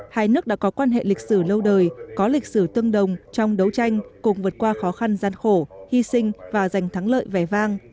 hai nước đã có quan hệ lịch sử lâu đời có lịch sử tương đồng trong đấu tranh cùng vượt qua khó khăn gian khổ hy sinh và giành thắng lợi vẻ vang